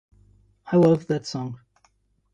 I loved that song.